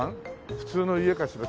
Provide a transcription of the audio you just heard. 普通の家かしら？